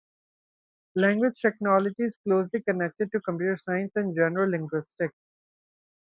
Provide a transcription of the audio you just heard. Language technology is closely connected to computer science and general linguistics.